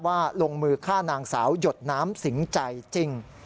ลงมือฆ่านางสาวหยดน้ำสิงใจจริง